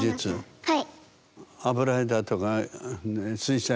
はい。